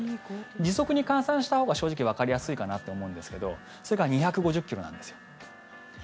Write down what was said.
時速に換算したほうが正直わかりやすいかなと思うんですけどそれが２５０ｋｍなんですよ。